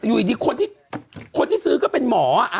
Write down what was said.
อยู่ดีคนที่ซื้อก็เป็นหมอ